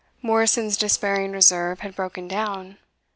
Morrison's despairing reserve had broken down.